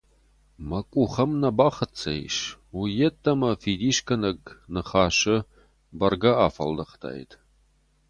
Мӕ къух ӕм нӕ бахӕццӕ ис, уыййеддӕмӕ фидисгӕнӕг ныхасы бӕргӕ афӕлдӕхтаид.